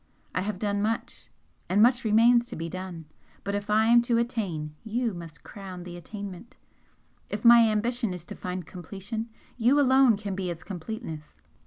I have done much and much remains to be done but if I am to attain, you must crown the attainment if my ambition is to find completion, you alone can be its completeness.